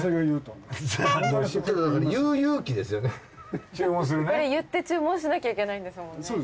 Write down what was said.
言って注文しなきゃいけないんですもんね。